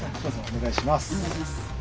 お願いします。